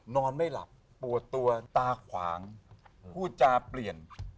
นอนไม่หลับปวดตัวตาขวางพูดจาเปลี่ยน